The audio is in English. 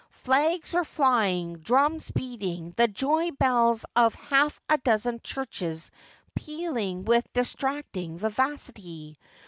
Flags were flying, drums beating, the joy bells of half a dozen churches pealing with distracting vivacity.